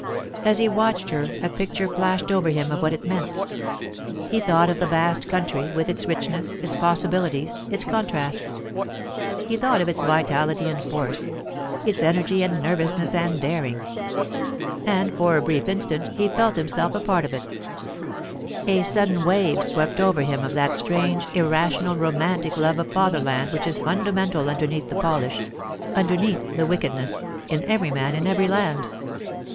As he watched her a picture flashed over him of what it meant. He thought of the vast country, with its richness, its possibilities, its contrasts. He thought of its vitality and force; its energy and nervousness and daring. And for a brief instant he felt himself a part of it. A sudden wave swept over him of that strange, irrational, romantic love of fatherland which is fundamental underneath the polish, underneath the wickedness, in every man in every land.